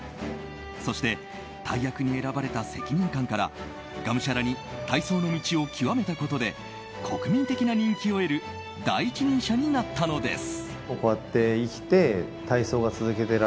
そして大役に選ばれた責任感からがむしゃらに体操の道を究めたことで国民的な人気を得る第一人者になったのです。